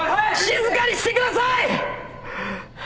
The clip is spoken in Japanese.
静かにしてください！